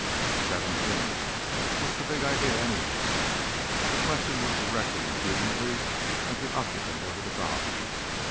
"Seventeen. What's the big idea, anyhow?" The question was directed impudently at the occupant of the divan.